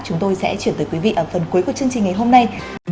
chúng tôi sẽ chuyển tới quý vị ở phần cuối của chương trình ngày hôm nay